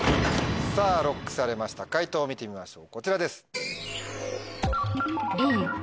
ＬＯＣＫされました解答見てみましょうこちらです。